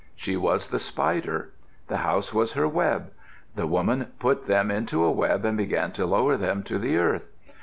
She was the spider. The house was her web. The woman put them into a web and began to lower them to the earth.